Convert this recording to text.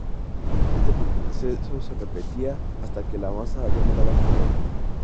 Este proceso se repetía hasta que la masa ya no daba color.